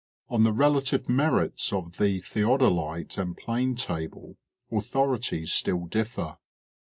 On the relative merits of the theodolite and plane table authorities still differ.